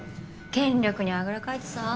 権力にあぐらかいてさ。